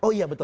oh iya betul